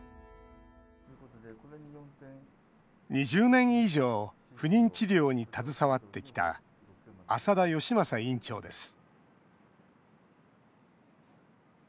２０年以上不妊治療に携わってきた浅田義正院長です